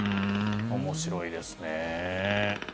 面白いですね。